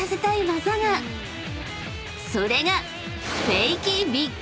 ［それが］